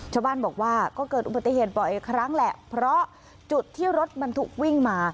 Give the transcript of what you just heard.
ชาวบ้านบอกว่าก็เกิดอุบัติเหตุบ่อยครั้งแหละเพราะจุดที่รถบรรทุกวิ่งมา